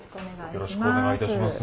よろしくお願いします。